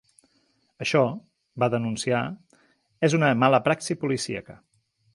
Això, va denunciar, és una mala praxi policíaca.